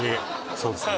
そうですね